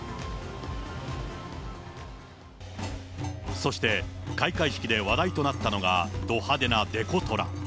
そして、開会式で話題となったのが、ど派手なデコトラ。